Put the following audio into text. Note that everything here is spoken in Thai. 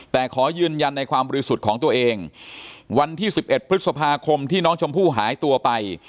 แต่ขอยืนยันในความหลีกสุดของตัวเองวันที่สิบเอ็ดบริษฐภาคมที่น้องชมพู่หายตัวไป